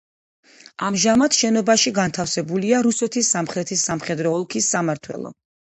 ამჟამად შენობაში განთავსებულია რუსეთის სამხრეთის სამხედრო ოლქის სამმართველო.